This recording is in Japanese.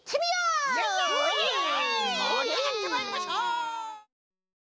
もりあがってまいりましょう！